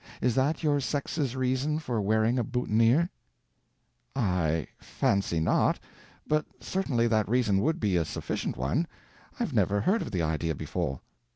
Is that your sex's reason for wearing a boutonniere?" "I fancy not, but certainly that reason would be a sufficient one. I've never heard of the idea before."